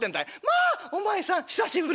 『まあお前さん久しぶり。